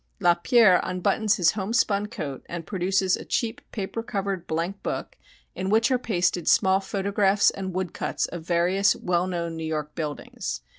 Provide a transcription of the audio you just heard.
Lapierre unbuttons his homespun coat and produces a cheap paper covered blank book in which are pasted small photographs and woodcuts of various well known New York buildings.